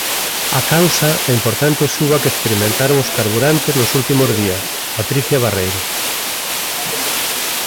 A causa, a importante suba que experimentaron os carburantes nos últimos días, Patricia Barreiro.